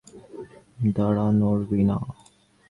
দাঁড়া, নড়বি না।